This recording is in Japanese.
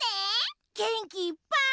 げんきいっぱい！